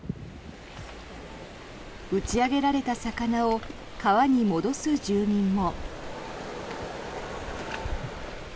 打ち上げられた魚を川に戻す住民も。